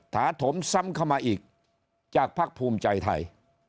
ถาถมซ้ำเข้ามาอีกจากภักดิ์ภูมิใจไทย